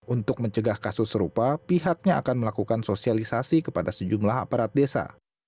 untuk mencegah kasus serupa pihaknya akan melakukan sosialisasi kepada sejumlah aparat desa